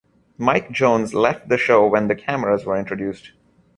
Mike Jones left the show when cameras were introduced.